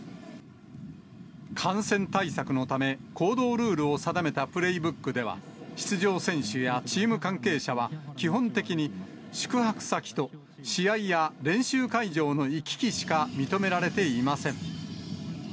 感染対策のため、行動ルールを定めたプレイブックでは、出場選手やチーム関係者は、基本的に宿泊先と試合や練習会場の行き来しか認められていません。